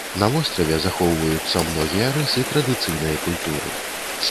На востраве захоўваюцца многія рысы традыцыйнай культуры.